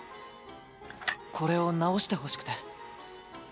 これを直してほしくて。